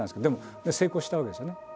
でも成功したわけですよね。